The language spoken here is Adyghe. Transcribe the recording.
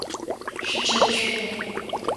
Шъуипчэдыжь шӏу!